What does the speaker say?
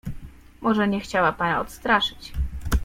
"Może nie chciała pana odstraszyć."